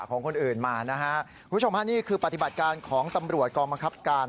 ของคนอื่นมานะฮะคุณผู้ชมฮะนี่คือปฏิบัติการของตำรวจกองบังคับการ